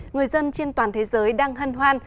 người dân trên toàn thế giới đang hân hoan